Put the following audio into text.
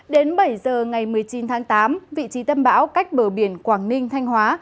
đến bảy giờ ngày một mươi chín tháng tám vị trí tâm bão cách bờ biển quảng ninh thanh hóa